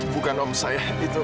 bukan om saya itu